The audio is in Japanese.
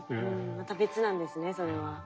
また別なんですねそれは。